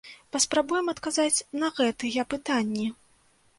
Паспрабуем адказаць на гэтыя пытанні.